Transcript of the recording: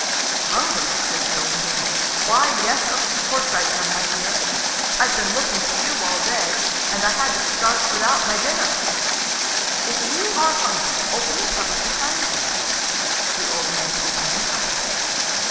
"Hungry!" says the old man. "Why, yes, of course I am, my dear. I've been looking for you all day, and I had to start without my dinner." "If you are hungry, open the cupboard behind you." The old man opened the cupboard.